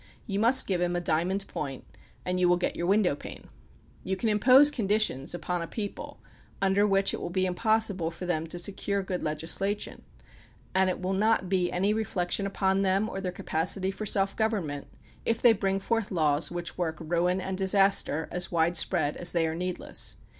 You must give him a diamond point, and you will get your 26 THE PUBLIC OPINION BILL window pane. You can impose conditions upon a people under which it will be impossible for them to secure good legislation, and it will not be any reflec tion upon them or their capacity for self government if they bring forth laws which work ruin and disaster as widespread as they are needless.